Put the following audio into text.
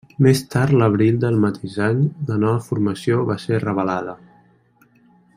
Més tard l'abril del mateix any, la nova formació va ser revelada.